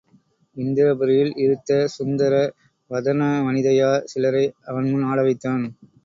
இந்திரபுரியில் இருத்த சுந்தர வதனவனிதையா சிலரை அவன் முன் ஆட வைத்தான்.